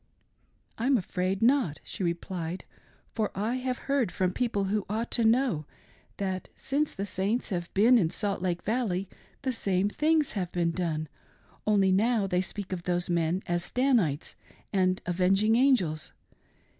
"I'm afraid not," she replied; "for I have heard from people who ought to know, that since the Saints have been in Salt Lake Valley the same things have been done ; only now they speak of those men as " Danites " and " Avenging Angels."